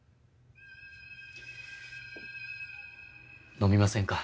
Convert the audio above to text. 飲みませんか？